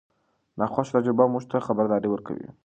ناخوښه تجربه موږ ته خبرداری ورکوي.